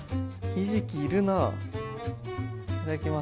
ひじきいるな。